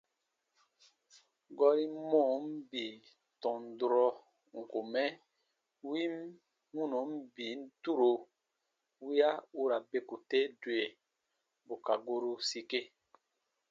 Gɔrin mɔɔn bii tɔn durɔ n kùn mɛ win wɔnɔn bibun turo wiya u ra beku te dwe bù ka goru sike.